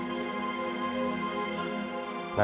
nanti aku kasih nomor rekening aku